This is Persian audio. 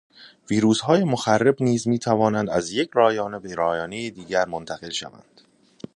ویروسهای مخرب نیز می توانند از یک رایانه به رایانه دیگر منتقل شوند.